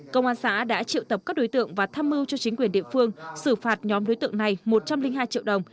công an xã đã triệu tập các đối tượng và tham mưu cho chính quyền địa phương xử phạt nhóm đối tượng này một trăm linh hai triệu đồng